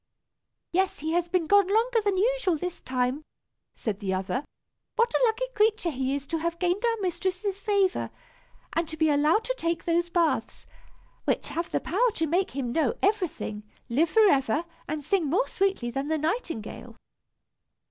"Yes, he has been gone longer than usual, this time," said the other. "What a lucky creature he is to have gained our mistress's favor, and to be allowed to take those baths, which have the power to make him know everything, live forever, and sing more sweetly than the nightingale."